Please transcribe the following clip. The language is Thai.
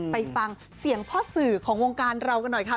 ไปฟังเสียงพ่อสื่อของวงการเรากันหน่อยค่ะ